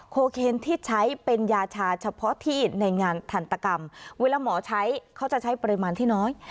โคนที่ใช้เป็นยาชาเฉพาะที่ในงานทันตกรรมเวลาหมอใช้เขาจะใช้ปริมาณที่น้อย